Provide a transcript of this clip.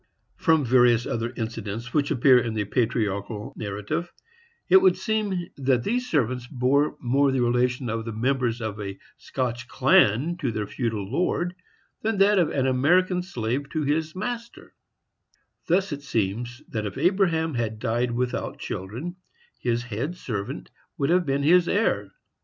From various other incidents which appear in the patriarchal narrative, it would seem that these servants bore more the relation of the members of a Scotch clan to their feudal lord than that of an American slave to his master;—thus it seems that if Abraham had died without children, his head servant would have been his heir.